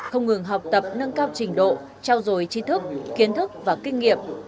không ngừng học tập nâng cao trình độ trao dồi chi thức kiến thức và kinh nghiệm